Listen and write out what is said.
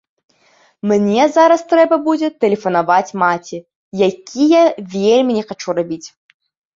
Мне зараз трэба будзе тэлефанаваць маці, які я вельмі не хачу рабіць.